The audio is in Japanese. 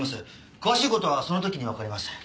詳しい事はその時にわかります。